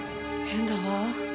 変だわ。